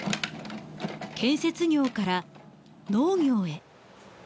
建設業から農業へ。